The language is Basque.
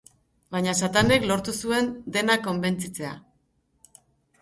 Baina Satanek lortu zuen denak konbentzitzea.